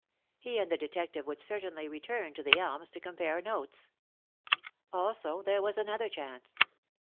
He and the detective would certainly return to The Elms to compare notes. Also there was another chance.